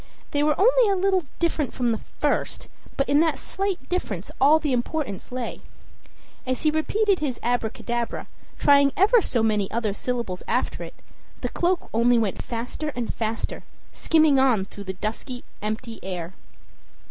They were only a little different from the first, but in that slight difference all the importance lay. As he repeated his "Abracadabra," trying ever so many other syllables after it, the cloak only went faster and faster, skimming on through the dusky, empty air.